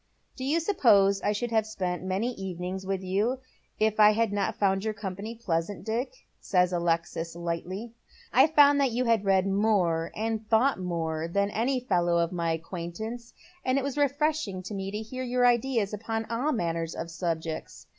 " Do you suppose I should have spent many evenings with you if I had not found your company pleasant, Dick ?" says Alexis, lightly. " I found that you had read more and thought more than any fellow of my acquaintance, and it was refreshing to me to hear your ideas upon all manner of subjects.